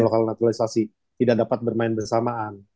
lokal naturalisasi tidak dapat bermain bersamaan